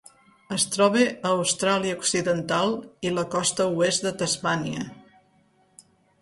Es troba a Austràlia Occidental i la costa oest de Tasmània.